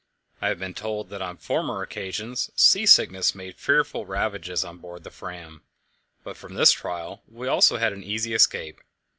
I have been told that on former occasions sea sickness made fearful ravages on board the Fram, but from this trial we also had an easy escape.